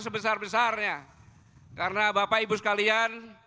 bapak ibu sekalian